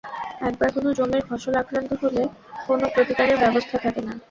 একবার কোনো জমির ফসল আক্রান্ত হলে কোনো প্রতিকারের ব্যবস্থা থাকে না।